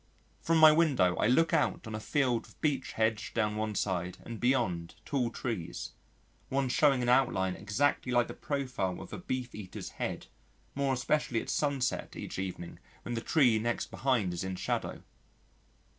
From my window I look out on a field with Beech hedge down one side and beyond, tall trees one showing in outline exactly like the profile of a Beefeater's head, more especially at sunset each evening when the tree next behind is in shadow.